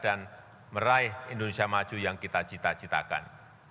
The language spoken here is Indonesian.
dan meraih indonesia maju yang kita cita citakan